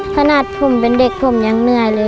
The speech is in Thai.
ขนาดผมเป็นเด็กผมยังเหนื่อยเลย